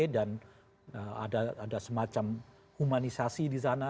dan ada semacam humanisasi di sana